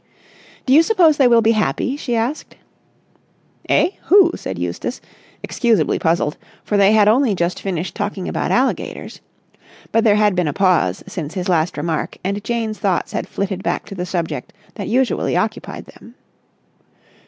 "Do you suppose they will be happy?" she asked. "Eh? Who?" said Eustace, excusably puzzled, for they had only just finished talking about alligators. But there had been a pause since his last remark, and Jane's thoughts had flitted back to the subject that usually occupied them.